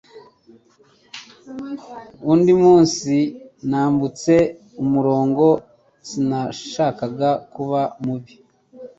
Undi munsi nambutse umurongo sinashakaga kuba mubi